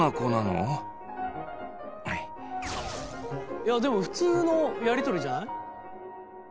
いやでも普通のやり取りじゃない？